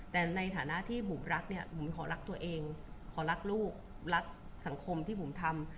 แต่ในฐานะที่บุ๋มรักเนี่ยบุ๋มขอรักตัวเองขอรักลูกรักสังคมที่บุ๋มทำ